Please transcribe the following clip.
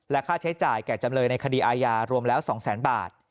ค่าใช้จ่ายแก่จำเลยในคดีอาญารวมแล้ว๒แสนบาท